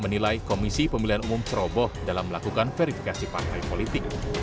menilai komisi pemilihan umum ceroboh dalam melakukan verifikasi partai politik